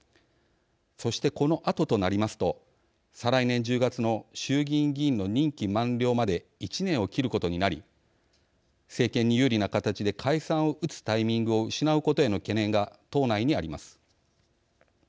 そして、このあととなりますと再来年１０月の衆議院議員の任期満了まで１年を切ることになり政権に有利な形で解散を打つタイミングを失うことへの懸念が党内にあります。